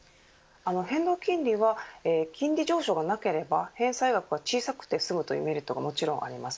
変動金利は金利上昇がなければ返済額が小さくて済むというメリットがもちろんあります。